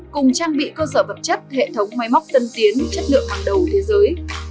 cùng trang bị cơ sở vật chất hệ thống máy móc tân tiến chất lượng hàng đầu thế giới